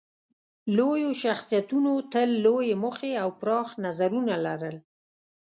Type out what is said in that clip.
لویو شخصیتونو تل لویې موخې او پراخ نظرونه لرل.